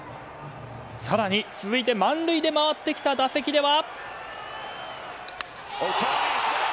更に続いて満塁で回ってきた打席では。